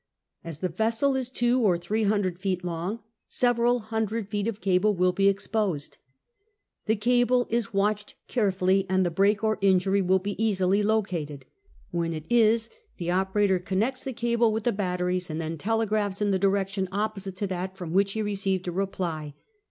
As the vessel is two or three hundred feet long, several hundred feet of cable will be exposed. The cable is watched carefully, and the break or injury will be easily located. When it is, the operator connects the cable with the batteries, and then telegraphs in the direction opposite to that from which he received a reply.